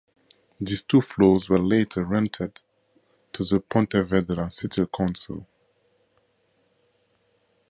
These two floors were later rented to the Pontevedra City Council.